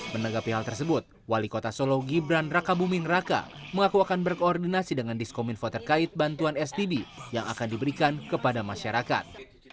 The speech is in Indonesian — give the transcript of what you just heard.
menegapi hal tersebut wali kota solo gibran rakabuming raka mengaku akan berkoordinasi dengan diskom info terkait bantuan stb yang akan diberikan kepada masyarakat